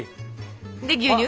で牛乳？